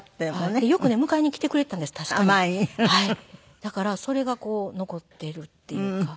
だからそれがこう残っているっていうかはい。